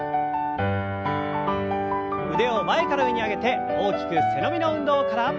腕を前から上に上げて大きく背伸びの運動から。